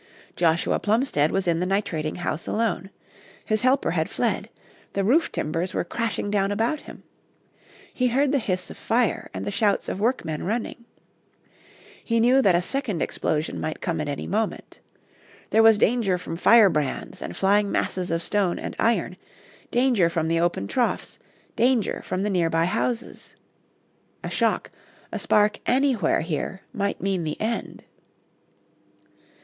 Joshua Plumstead was in the nitrating house alone. His helper had fled. The roof timbers were crashing down about him. He heard the hiss of fire and the shouts of workmen running. He knew that a second explosion might come at any moment. There was danger from fire brands and flying masses of stone and iron, danger from the open troughs, danger from the near by houses. A shock, a spark anywhere here might mean the end.